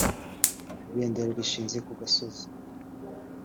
ibendera rishinze ku gasozi